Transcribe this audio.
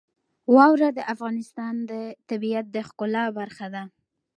واوره د افغانستان د طبیعت د ښکلا برخه ده.